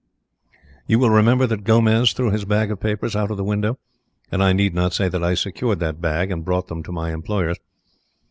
"You will remember that Gomez threw his bag of papers out of the window, and I need not say that I secured that bag and brought them to my employers.